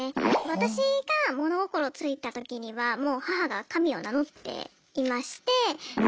私が物心ついた時にはもう母が神を名乗っていまして。